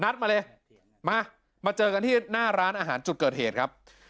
มาเลยมามาเจอกันที่หน้าร้านอาหารจุดเกิดเหตุครับ